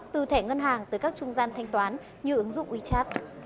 từ thẻ ngân hàng tới các trung gian thanh toán như ứng dụng wechat